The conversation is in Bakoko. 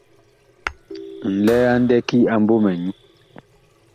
Nlɛɛ a ndɛki a MBƆMƐ nyu.